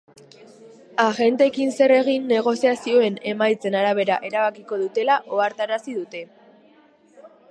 Agenteekin zer egin negoziazioen emaitzen arabera erabakiko dutela ohartarazi dute.